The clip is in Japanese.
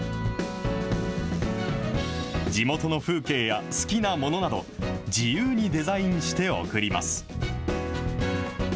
地元の風景や好きなものなど、自由にデザインして送ります。